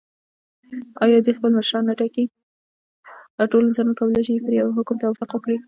ټول انسانان کولای شي پر یوه حکم توافق وکړي.